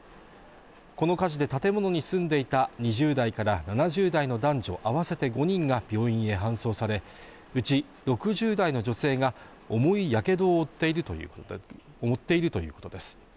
この火事で建物に住んでいた２０代から７０代の男女合わせて５人が病院へ搬送されうち６０代の女性が重いやけどを負っているということです